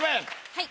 はい！